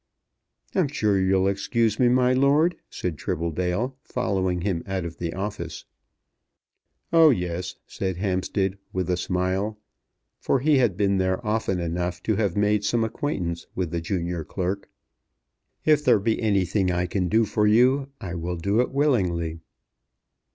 "I'm sure you'll excuse me, my lord," said Tribbledale, following him out of the office. "Oh, yes," said Hampstead, with a smile, for he had been there often enough to have made some acquaintance with the junior clerk. "If there be anything I can do for you, I will do it willingly."